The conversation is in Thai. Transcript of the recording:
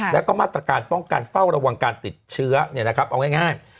แล้วก็มาตรการป้องกันเฝ้าระวังการติดเชื้อเอาง่าย